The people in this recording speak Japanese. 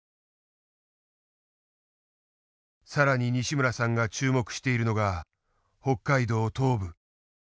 更に西村さんが注目しているのが北海道東部。